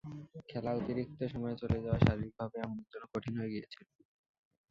খেলা অতিরিক্ত সময়ে চলে যাওয়ায় শারীরিকভাবেই আমাদের জন্য কঠিন হয়ে গিয়েছিল।